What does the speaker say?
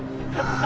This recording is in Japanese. ああ？